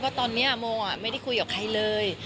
ตอนนี้โมไม่ได้คุยกับใครเลย